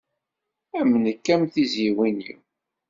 Am nekk am tizyiwin-iw.